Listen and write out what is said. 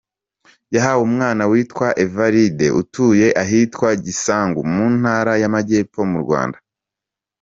Yahawe umwana witwa Evaride utuye ahitwa Gisanga mu Ntara y’Amajyepfo mu Rwanda.